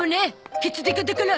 ケツデカだから。